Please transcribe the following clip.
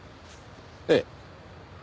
ええ。